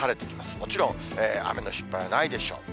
もちろん雨の心配はないでしょう。